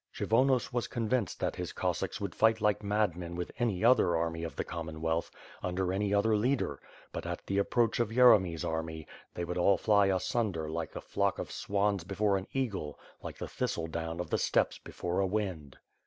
Kshyvonos was convinced that his Cossacks would fight like madmen with any other army of the Commonwealth, under any other leader; but at the approach of Yeremy's army, they would all fly asunder like a flock of swans before an eagle, like the thistle down of the steppes before a wind.